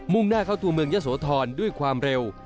่งหน้าเข้าตัวเมืองยะโสธรด้วยความเร็ว